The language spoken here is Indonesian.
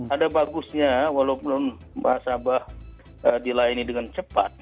ada bagusnya walaupun nasabah dilayani dengan cepat